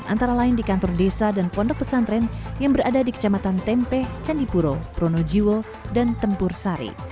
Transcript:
antara lain di kantor desa dan pondok pesantren yang berada di kecamatan tempe candipuro pronojiwo dan tempur sari